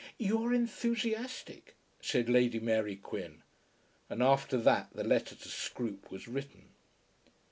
"You are enthusiastic," said Lady Mary Quin, and after that the letter to Scroope was written.